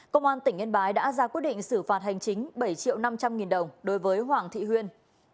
công an tỉnh yên bái đã ra quyết định xử phạt hành chính bảy triệu năm trăm linh nghìn đồng đối với hoàng thị huyền